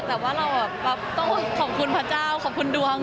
แต่ว่าเราต้องขอบคุณพระเจ้าขอบคุณดวง